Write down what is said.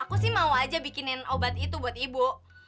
aku sih mau aja bikinin obat itu buat ibu